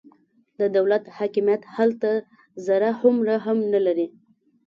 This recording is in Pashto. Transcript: د دولت حاکمیت هلته ذره هومره هم نه لري.